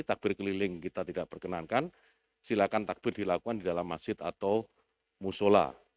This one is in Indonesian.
takbir keliling kita tidak perkenankan silakan takbir dilakukan di dalam masjid atau musola